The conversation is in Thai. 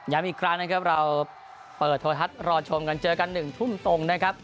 อีกครั้งนะครับเราเปิดโทรทัศน์รอชมกันเจอกัน๑ทุ่มตรงนะครับ